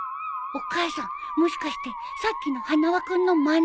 お母さんもしかしてさっきの花輪君のまねを？